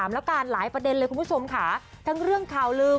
ผมรับเจาะประสานหลายประเด็นเลยคุณผู้ชมค่ะทั้งเรื่องขาวลือ